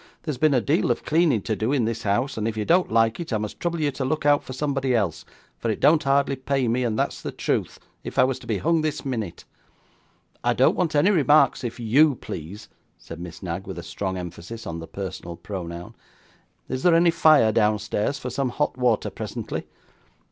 'There's been a deal o'cleaning to do in this house, and if you don't like it, I must trouble you to look out for somebody else, for it don't hardly pay me, and that's the truth, if I was to be hung this minute.' 'I don't want any remarks if YOU please,' said Miss Knag, with a strong emphasis on the personal pronoun. 'Is there any fire downstairs for some hot water presently?